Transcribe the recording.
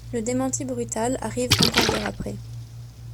Le démenti brutal arrive un quart d'heure après.